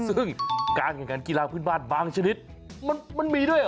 ซึ่งการแข่งขันกีฬาพื้นบ้านบางชนิดมันมีด้วยเหรอ